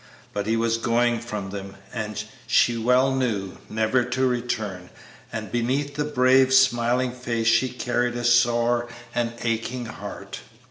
But he was going from them, as she well knew, never to return, and beneath the brave, smiling face she carried a sore and aching heart.